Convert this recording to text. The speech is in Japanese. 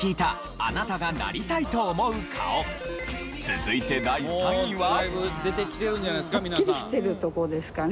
続いて第３位は。